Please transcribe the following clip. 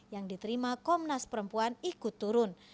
yang diterima komnas perempuan